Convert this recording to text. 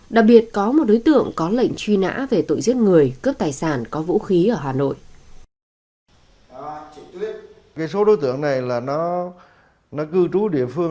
đặc biệt có một đối tượng có lệnh truy nã về tội giết người cướp tài sản có vũ khí ở hà nội